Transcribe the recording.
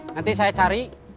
nanti saya cari